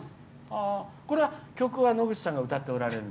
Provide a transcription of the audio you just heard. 曲は野口さんが歌っておられる？